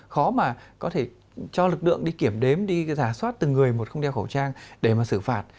khó mà có thể cho lực lượng đi kiểm đếm đi giả soát từng người một không đeo khẩu trang để mà xử phạt